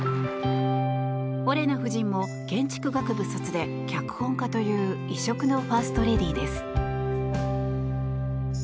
オレナ夫人も建築学部卒で脚本家という異色のファーストレディーです。